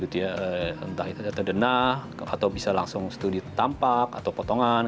entah itu data denah atau bisa langsung studi tampak atau potongan